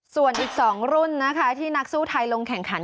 ส่วนอีก๒รุ่นนะคะที่นักสู้ไทยลงแข่งขัน